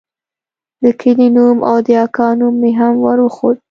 د کلي نوم او د اکا نوم مې هم وروښود.